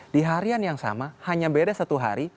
di harian yang sama hanya beda satu hari